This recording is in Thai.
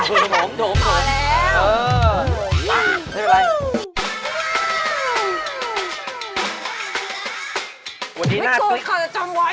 เผื่อผมพอแล้วก็เลยน่ะพร้อม